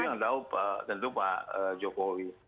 tapi yang tahu tentu pak jokowi